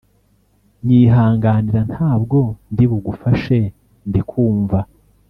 nyihanganira ntabwo ndibugufashe ndikumva